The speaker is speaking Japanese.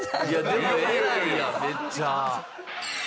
でもええやんかめっちゃ。